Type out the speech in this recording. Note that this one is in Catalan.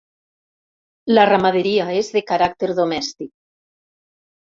La ramaderia és de caràcter domèstic.